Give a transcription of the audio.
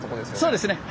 そうですね！